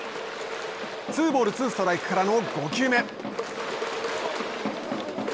ツーボールツーストライクからの５球目。